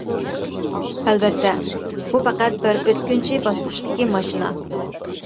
ئەلۋەتتە، بۇ پەقەت بىر ئۆتكۈنچى باسقۇچتىكى ماشىنا.